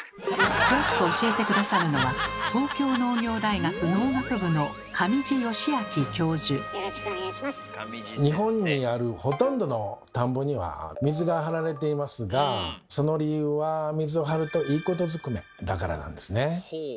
詳しく教えて下さるのは日本にあるほとんどの田んぼには水が張られていますがその理由は水を張るといいことずくめだからなんですね。